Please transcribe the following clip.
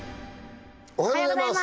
おはようございます